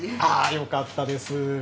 よかったです。